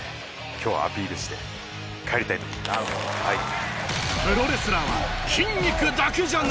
今日はアピールして帰りたいと思います。